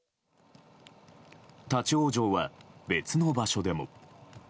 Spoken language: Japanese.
立ち往生は別の場所でも。